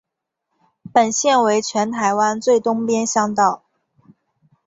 本线为全台湾最东边乡道。